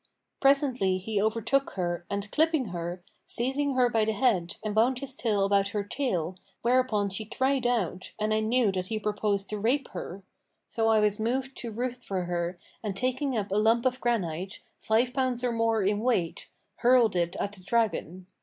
Presently he overtook her and clipping her, seized her by the head and wound his tail about her tail, whereupon she cried out and I knew that he purposed to rape her. So I was moved to ruth for her and taking up a lump of granite,[FN#501] five pounds or more in weight, hurled it at the dragon.